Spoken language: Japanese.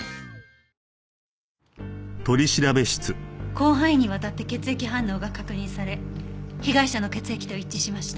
広範囲にわたって血液反応が確認され被害者の血液と一致しました。